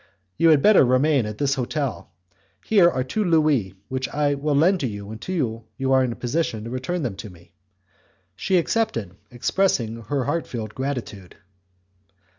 You had better remain at this hotel. Here are two Louis which I will lend you until you are in a position to return them to me." She accepted, expressing her heart felt gratitude.